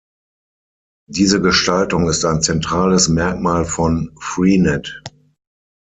Diese Gestaltung ist ein zentrales Merkmal von Freenet.